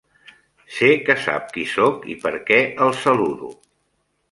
Sé que sap qui soc i per què el saludo.